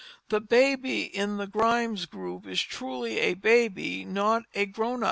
The baby in the Grymes group is truly a baby, not a "grown up."